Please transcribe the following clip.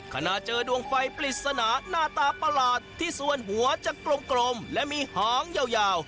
ขณะเจอดวงไฟปริศนาหน้าตาประหลาดที่ส่วนหัวจะกลมและมีหางยาว